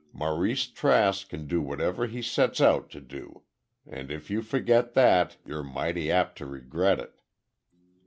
Maurice Trask can do whatever he sets out to do. And if you forget that, you're mighty apt to regret it."